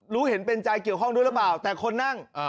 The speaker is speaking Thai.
รู้เห็นเป็นใจเกี่ยวข้องด้วยหรือเปล่าแต่คนนั่ง